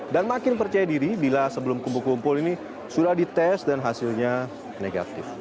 dan makin percaya diri bila sebelum kumpul kumpul ini sudah dites dan hasilnya negatif